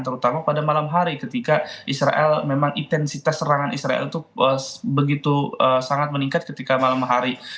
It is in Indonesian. terutama pada malam hari ketika israel memang intensitas serangan israel itu begitu sangat meningkat ketika malam hari